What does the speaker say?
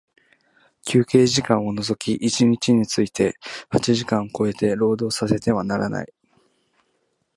休憩時間を除き一日について八時間を超えて、労働させてはならない。